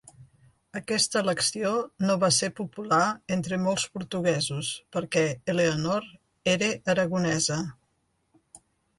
Aquesta elecció no va ser popular entre molts portuguesos, perquè Eleanor era Aragonesa.